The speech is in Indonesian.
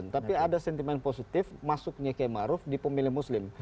tapi ada sentimen positif masuknya k maruf di pemilih muslim